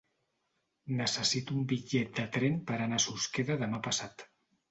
Necessito un bitllet de tren per anar a Susqueda demà passat.